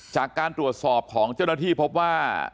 จากการตรวจสอบของเจ้าหน้าที่พบว่า